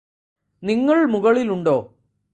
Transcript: നിങ്ങള് മുകളിലുണ്ടോ